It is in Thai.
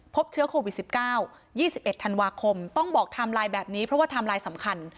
พบเชื้อโควิด๑๙๒๑ธันวาคมต้องบอกไทม์ไลน์แบบนี้เพราะว่าไทม์ไลน์สำคัญ